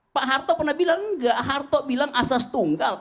pak harto pernah bilang enggak harto bilang asas tunggal